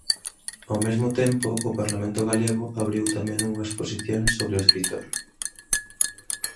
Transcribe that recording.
Ao mesmo tempo, o Parlamento galego abriu tamén unha exposición sobre o escritor.